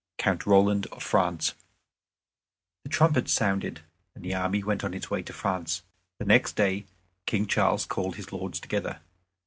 COUNT ROLAND OF FRANCE The trumpets sounded and the army went on its way to France. The next day King Charles called his lords together.